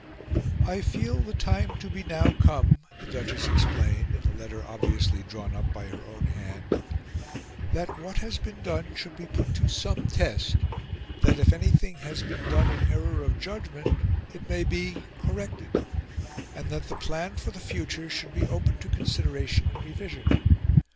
"I feel the time to be now come," the Duchess explained, in a letter obviously drawn up by her own hand, "that what has been done should be put to some test, that if anything has been done in error of judgment it may be corrected, and that the plan for the future should be open to consideration and revision...